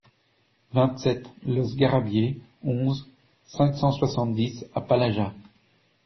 vingt-sept los Garrabiers, onze, cinq cent soixante-dix à Palaja